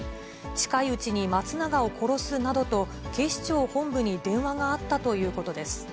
近いうちに松永を殺すなどと、警視庁本部に電話があったということです。